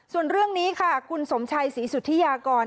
ส่วนเรื่องนี้ค่ะคุณสมชัยศรีสุธิยากร